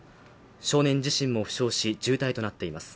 少年自身も負傷し、重体となっています。